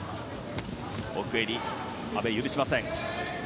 奥襟、阿部許しません。